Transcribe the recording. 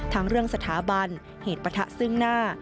ทั้งเรื่องสถาบันเหตุประทะซึ่งหน้า